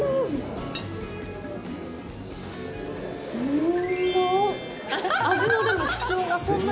うん！